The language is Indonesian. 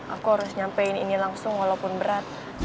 aku harus nyampein ini langsung walaupun berat